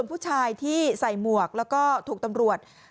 ผู้ชายที่ใส่หมวกแล้วก็ถูกตำรวจ